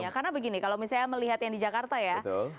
karena begini kalau misalnya melihat yang di jakarta ya